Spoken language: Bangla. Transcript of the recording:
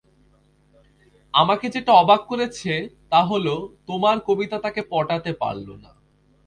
আমাকে যেটা অবাক করছে, তা হলো তোমার কবিতা তাকে পটাতে পারলো না।